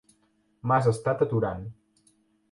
M'has estat aturant.